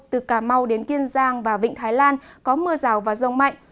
từ cà mau đến kiên giang và vịnh thái lan có mưa rào và rông mạnh